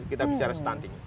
kita bicara stunting